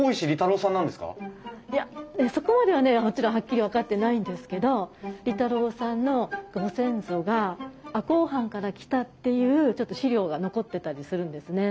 いやそこまではねもちろんはっきり分かってないんですけど利太郎さんのご先祖が赤穂藩から来たっていうちょっと資料が残ってたりするんですね。